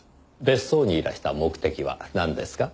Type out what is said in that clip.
別荘にいらした目的はなんですか？